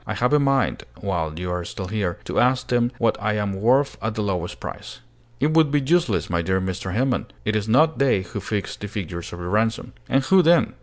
I have a mind, while you are still here, to ask them what I am worth at the lowest price." "It would be useless, my dear Mr. Hermann! It is not they who fix the figures of your ransom." "And who then?"